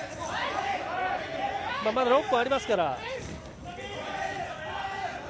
まだ６分ありますから。